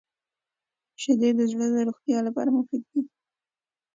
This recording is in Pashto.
• شیدې د زړه د روغتیا لپاره مفید دي.